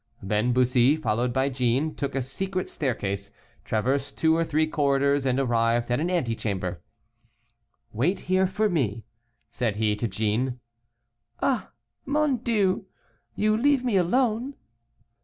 Then Bussy, followed by Jeanne, took a secret staircase, traversed two or three corridors, and arrived at an antechamber. "Wait here for me," said he to Jeanne. "Ah, mon Dieu! you leave me alone."